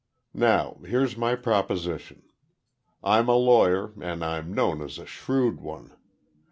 Now, here's my proposition. I'm a lawyer, and I'm known as a shrewd one.